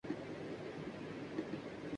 یک ایسی جو گرویدہ کر رہی ہے